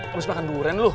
habis makan durian lu